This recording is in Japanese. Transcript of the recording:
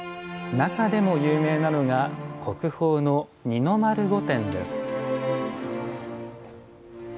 中でも有名なのが国宝の二の丸御殿です。